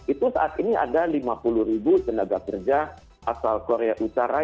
itu saat ini ada lima puluh ribu tenaga kerja asal korea utara